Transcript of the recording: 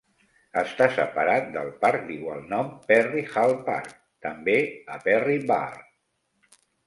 Està separat del parc d'igual nom Perry Hall Park, també a Perry Barr.